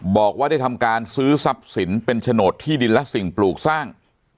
บอกว่าได้ทำการซื้อทรัพย์สินเป็นโฉนดที่ดินและสิ่งปลูกสร้าง